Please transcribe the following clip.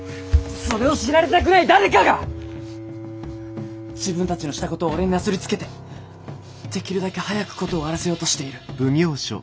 それを知られたくない誰かが自分たちのしたことを俺になすりつけてできるだけ早く事を終わらせようとしている。